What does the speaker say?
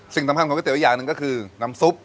สิ่งทำความของก๋วยเตี๋ยวอีกอย่างหนึ่งก็คือน้ำซุป